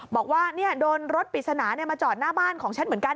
บอกว่าโดนรถปริศนามาจอดหน้าบ้านของฉันเหมือนกัน